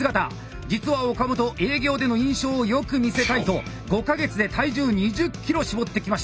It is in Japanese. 実は岡本営業での印象をよく見せたいと５か月で体重２０キロ絞ってきました！